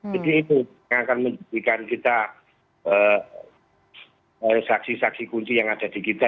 jadi itu akan menunjukkan kita saksi saksi kunci yang ada di kita